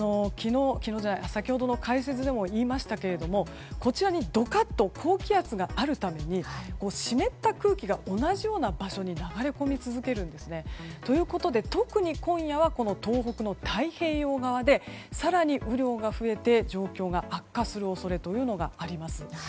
先ほどの解説でも言いましたがこちらにどかっと高気圧があるために湿った空気が同じような場所に流れ込み続けるんですね。ということで、特に今夜は東北の太平洋側で更に雨量が増えて状況が悪化する恐れがあります。